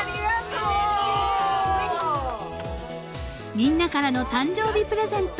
［みんなからの誕生日プレゼント］